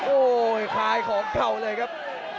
โอ้โหคลายของเก่าเลยครับ